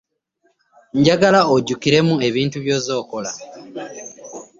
Njagala ojjukiremu ebintu byoze okola.